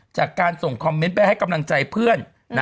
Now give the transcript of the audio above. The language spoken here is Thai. จากการส่งคอมเมนต์ไปให้กำลังใจเพื่อน